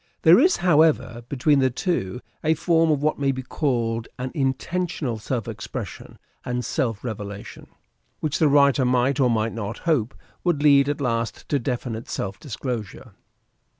There is, however, between the two a form of what may be called an intentional self expression and self revelation, which the writer might, or might not, hope would lead at last to definite self dis closure.